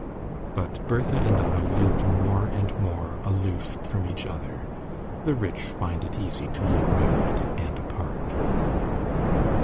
But Bertha and I lived more and more aloof from each other. The rich find it easy to live married and apart.